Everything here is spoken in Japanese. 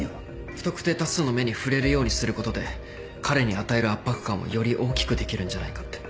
不特定多数の目に触れるようにすることで彼に与える圧迫感をより大きくできるんじゃないかって。